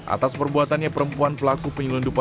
atas perbuatannya perempuan pelaku penyelundupan